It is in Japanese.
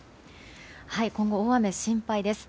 今後、大雨心配です。